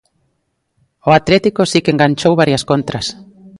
O Atlético si que enganchou varias contras.